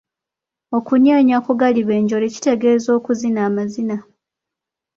Okunyenya ku galiba enjole kitegeeza kuzina mazina.